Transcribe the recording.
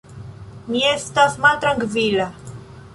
Mi estas maltrankvila.